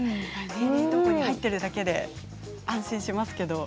冷凍庫に入っているだけで安心しますけど。